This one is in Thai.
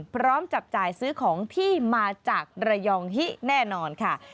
พร้อมจับจ่ายซื้อของที่มาจากระยองฮิแน่นอนค่ะ